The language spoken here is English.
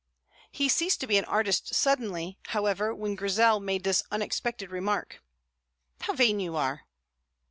He ceased to be an artist suddenly, however, when Grizel made this unexpected remark: "How vain you are!"